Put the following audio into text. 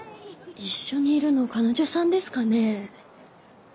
一緒にいるのカノジョさんですかね？